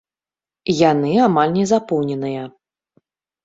Яны амаль не запоўненыя.